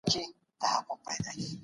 سیاست د قدرت عادلانه وېش دی.